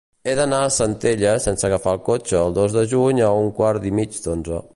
He d'anar a Centelles sense agafar el cotxe el dos de juny a un quart i mig d'onze.